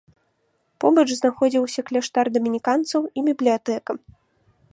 Побач знаходзіўся кляштар дамініканцаў і бібліятэка.